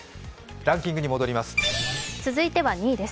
ランキングに戻ります。